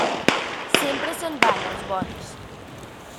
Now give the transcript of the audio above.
Sempre se'n van els bons.